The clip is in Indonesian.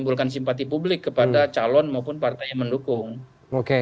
maka itu bisa saja bukan mengusungnya